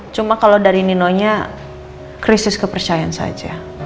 cuma kalau dari ninonya krisis kepercayaan saja